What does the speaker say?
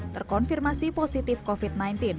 terkonfirmasi positif covid sembilan belas